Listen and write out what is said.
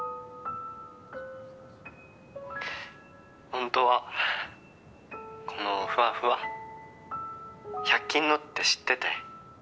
本当は、このふわふわ１００均のって知ってて。